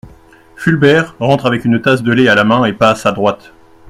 Fulbert rentre avec une tasse de lait à la main et passe à droite.